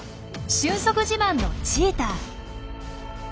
俊足自慢のチーター。